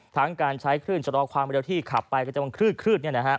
ทั้งการใช้คลื่นชะลอความเร็วที่ขับไปก็จะมาคลืด